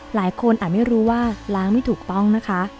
อาจไม่รู้ว่าล้างไม่ถูกต้องนะคะ